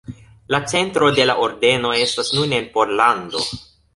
La centro de la ordeno estas nun en Pollando.